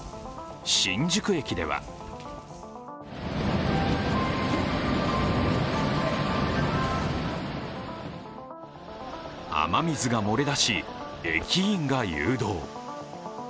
新宿駅では雨水が漏れ出し、駅員が誘導。